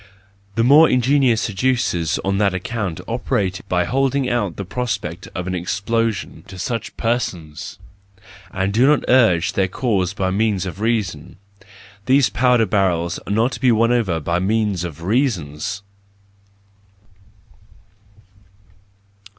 The more ingenious seducers on that account operate by holding out the prospect of an explosion to such persons, and do not urge their cause by means of reasons; these powder barrels are not won over by means of reasons